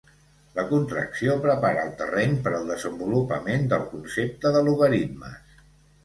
La contracció prepara el terreny per al desenvolupament del concepte de logaritmes.